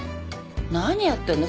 何やってんの？